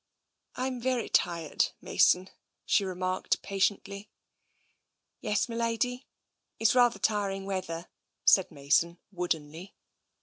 '* I am very tired, Mason," she remarked patiently. "Yes, m'lady? It's rather tiring weather," said Mason woodenly.